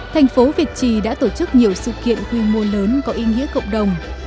thành phố việt trì đã tổ chức nhiều sự kiện khuyên môn lớn có ý nghĩa cộng đồng